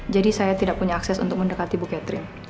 jadi saya tidak punya akses untuk mendekati ibu catherine